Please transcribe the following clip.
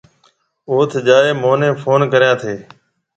اوٿ جائي مهنَي ڦون ڪريا ٿَي؟